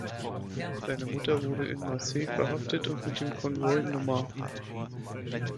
Seine Mutter wurde in Marseille verhaftet und mit dem Konvoi Nr.